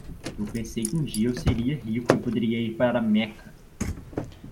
Eu pensei que um dia eu seria rico e poderia ir para Meca.